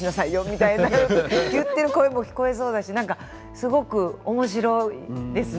みたいなこと言ってる声も聞こえそうだし何かすごく面白いですね。